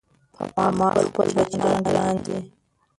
په ما خپل بچيان ګران دي